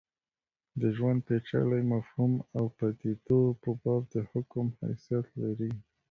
د ژوند پېچلي مفهوم او پدیدو په باب د حکم حیثیت لري.